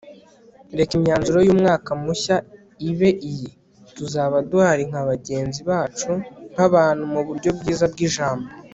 reka imyanzuro y'umwaka mushya ibe iyi: tuzaba duhari nka bagenzi bacu nk'abantu, mu buryo bwiza bw'ijambo